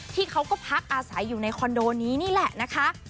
เขาก็พักอาศัยอยู่ในคอนโดนี้นี่แหละนะคะ